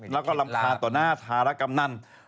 แล้วก็รำคาญต่อหน้าธารกำนัน